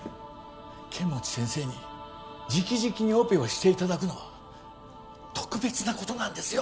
剣持先生に直々にオペをしていただくのは特別なことなんですよ！